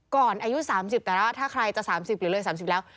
อายุ๓๐แต่ว่าถ้าใครจะ๓๐หรือเลย๓๐แล้ว